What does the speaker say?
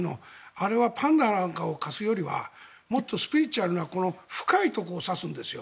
あれはパンダなんかを貸すよりはもっとスピリチュアルな深いところを刺すんですよ